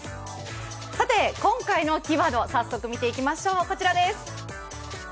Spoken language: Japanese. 今回のキーワード、早速見ていきましょうこちらです。